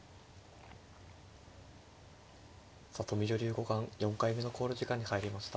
里見女流五冠４回目の考慮時間に入りました。